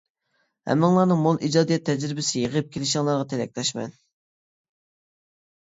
ھەممىڭلارنىڭ مول ئىجادىيەت تەجرىبىسى يېغىپ كېلىشىڭلارغا تىلەكداشمەن.